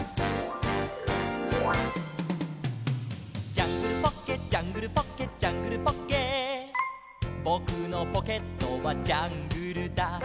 「ジャングルポッケジャングルポッケ」「ジャングルポッケ」「ぼくのポケットはジャングルだ」